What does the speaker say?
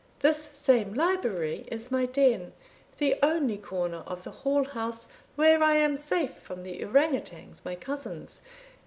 This same library is my den the only corner of the Hall house where I am safe from the Ourang Outangs, my cousins.